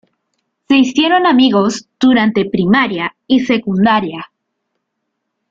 Se hicieron amigos durante primaria y secundaria.